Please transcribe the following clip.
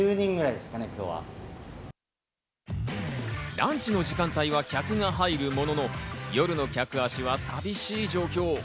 ランチの時間帯は客が入るものの、夜の客足は寂しい状況。